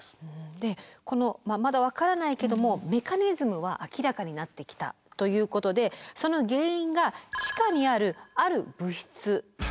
でこのまあまだ分からないけどもメカニズムは明らかになってきたということでその原因が地下にあるある物質。